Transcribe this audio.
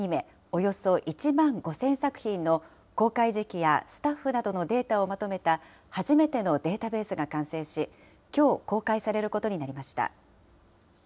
およそ１万５０００作品の、公開時期やスタッフなどのデータをまとめた、初めてのデータベースが完成し、きょう公開されることになりました。